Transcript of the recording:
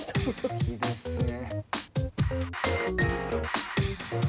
好きですね。